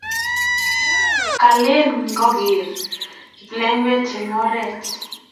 Kalen kageer kiplengwet eng oret